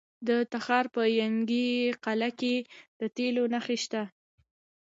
د تخار په ینګي قلعه کې د تیلو نښې شته.